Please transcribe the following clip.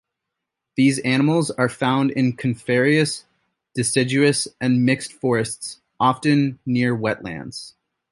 These animals are found in coniferous, deciduous, and mixed forests, often near wetlands.